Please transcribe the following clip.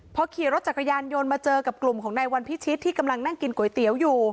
พอขี่รถจักรยานยนต์มาเจอกับกลุ่มของนายวันพิชิตที่กำลังนั่งกินก๋วยเตี๋ยวอยู่